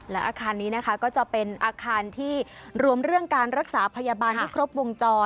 และอาคารนี้นะคะก็จะเป็นอาคารที่รวมเรื่องการรักษาพยาบาลให้ครบวงจร